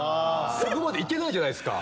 そこまで行けないじゃないっすか。